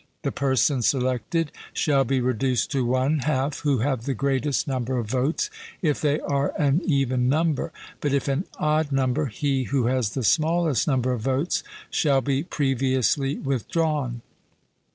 The persons selected shall be reduced to one half, who have the greatest number of votes, if they are an even number; but if an odd number, he who has the smallest number of votes shall be previously withdrawn.